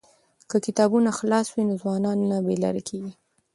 که کتابتونونه خلاص وي نو ځوانان نه بې لارې کیږي.